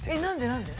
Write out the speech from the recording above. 何で？